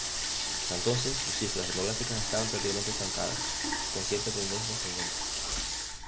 Hasta entonces, sus cifras demográficas estaban prácticamente estancadas, con cierta tendencia ascendente.